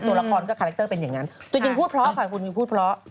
ตัวละครก็คาแรคเตอร์เป็นอย่างนั้นตัวจริงพูดเพราะค่ะคุณมินพูดเพราะ